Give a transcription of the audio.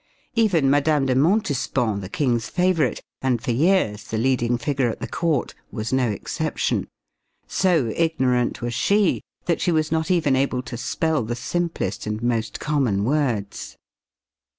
Even Mme. de Montespan, the king's favorite, and for years the leading figure at the court, was no exception. So ignorant was she that she was not even able to spell the simplest and most common words.